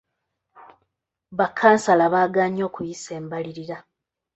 Ba kkansala baagaanye okuyisa embalirira.